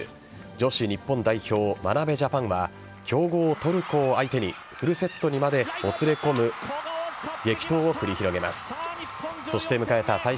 女子日本代表・眞鍋ジャパンは強豪・トルコを相手にフルセットにまでもつれ込む激闘を繰り広げます。